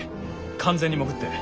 完全に潜って。